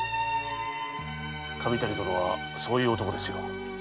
神谷殿はそういう男ですよ。